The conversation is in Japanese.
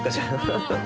ハハハッ。